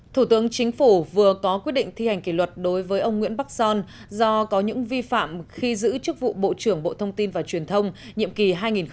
thủ tướng chính phủ vừa có quyết định thi hành kỷ luật đối với ông nguyễn bắc son do có những vi phạm khi giữ chức vụ bộ trưởng bộ thông tin và truyền thông nhiệm kỳ hai nghìn một mươi tám hai nghìn một mươi tám